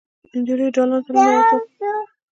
نجلۍ دالان ته ننوته.